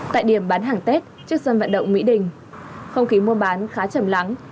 tại điểm bán hàng tết trước sân vận động mỹ đình không khí mua bán khá chầm lắng